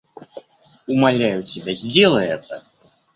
Умоляю тебя, сделай это!